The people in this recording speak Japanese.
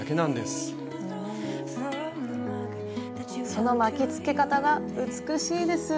その巻きつけ方が美しいです。